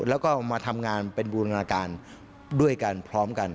แล้วก็มาทำงานเป็นบูรณาการด้วยกันพร้อมกัน